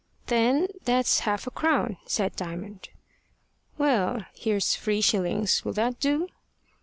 "Then that's half a crown," said Diamond. "Well, here's three shillings. Will that do?"